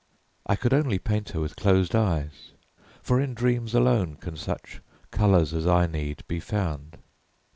I could only paint her with closed eyes, for in dreams alone can such colours as I need be found.